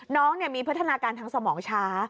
น้องมีพัฒนาการทางสมองช้า